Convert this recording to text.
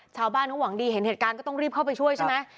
ชาวบ้านเขาหวังดีเห็นเหตุการณ์ก็ต้องรีบเข้าไปช่วยใช่ไหม